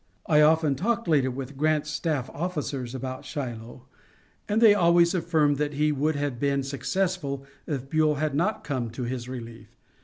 I often talked later with Grant's staff officers about Shiloh, and they always affirmed that he would have been successful if Buell had not come to his relief.